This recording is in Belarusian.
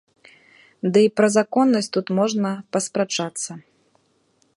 Дый пра законнасць тут можна паспрачацца.